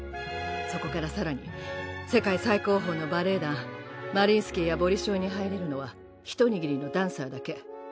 そこから更に世界最高峰のバレエ団マリインスキーやボリショイに入れるのはひと握りのダンサーだけ。